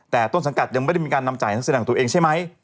แต่ต้นสังกัดยังไม่ได้มีการนำจ่ายนักแสดงของตัวเองใช่ไหม